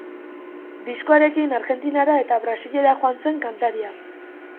Diskoarekin Argentinara eta Brasilera joan zen kantaria.